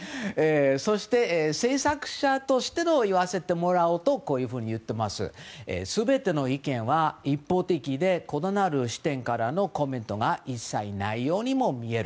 そして制作者として言わせてもらうと全ての意見は一方的で異なる視点からのコメントが一切ないようにも見える。